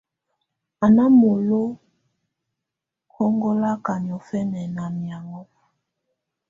Á ná molo ɔŋgɔlaka niɔ̀fɛna ná miaŋɔ́.